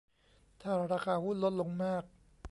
ถ้าราคาหุ้นลดลงมาก